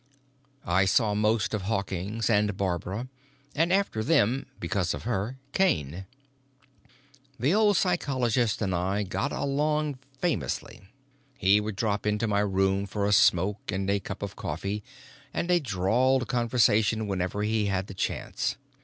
I saw most of Hawkins and Barbara, and after them because of her Kane. The old psychologist and I got along famously. He would drop into my room for a smoke and a cup of coffee and a drawled conversation whenever he had the chance.